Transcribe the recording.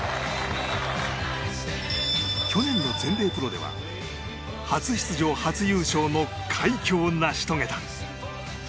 去年の全米プロでは初出場初優勝の快挙を成し遂げた。